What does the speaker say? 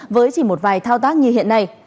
với chỉ một vài thao tác như hiện nay